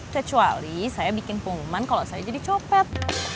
kecuali saya bikin pengumuman kalau saya jadi copet